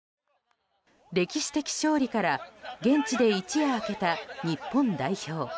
歴史的勝利から現地で一夜明けた日本代表。